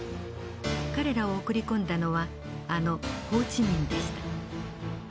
彼らを送り込んだのはあのホー・チ・ミンでした。